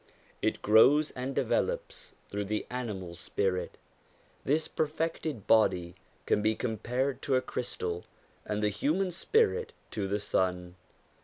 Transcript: It grows and develops through the animal spirit. This perfected body can be compared to a crystal, and the human spirit to the sun.